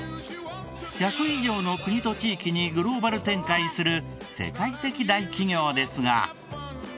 １００以上の国と地域にグローバル展開する世界的大企業ですが。